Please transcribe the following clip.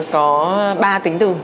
có ba tính từ